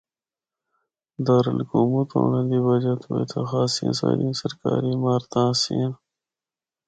دارالحکومت ہونڑا دی وجہ تو اِتھا خاصیاں ساریاں سرکاری عمارتاں آسیاں۔